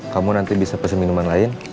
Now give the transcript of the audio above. kamu nanti bisa pesan minuman lain